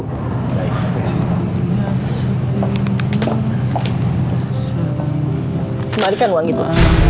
kembalikan uang itu